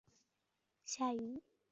夏允彝之兄。